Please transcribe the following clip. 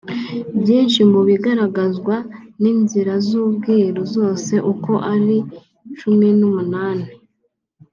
Byinshi mu bigaragazwa n’inzira z’Ubwiru zose uko ari cumi n’umunani